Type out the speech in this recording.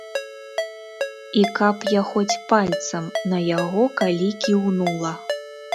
І каб я хоць пальцам на яго калі кіўнула.